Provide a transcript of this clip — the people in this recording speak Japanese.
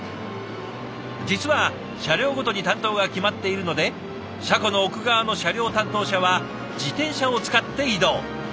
実は車両ごとに担当が決まっているので車庫の奥側の車両担当者は自転車を使って移動。